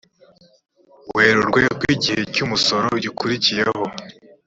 werurwe kw igihe cy umusoro gikurikiyeho